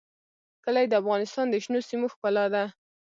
کلي د افغانستان د شنو سیمو ښکلا ده.